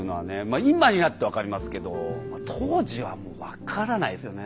今になって分かりますけど当時はもう分からないですよね。